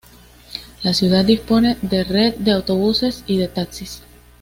La ciudad dispone de red de autobuses y de taxis.